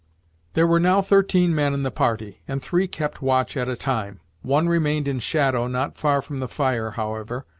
There were now thirteen men in the party, and three kept watch at a time. One remained in shadow, not far from the fire, however.